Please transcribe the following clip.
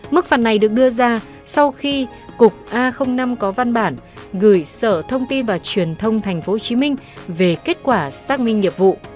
mức phạt này được đưa ra sau khi cục a năm có văn bản gửi sở thông tin và truyền thông tp hcm về kết quả xác minh nghiệp vụ